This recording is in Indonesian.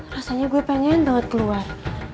rasanya gue pengen banget keluar